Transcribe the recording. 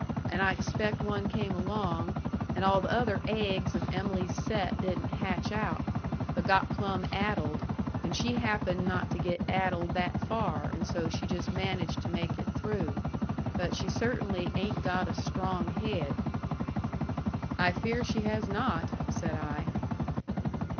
And I expect one came along, and all the other aiggs of Em'ly's set didn't hatch out, but got plumb addled, and she happened not to get addled that far, and so she just managed to make it through. But she cert'nly ain't got a strong haid." "I fear she has not," said I.